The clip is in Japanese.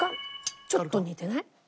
ちょっと似てない？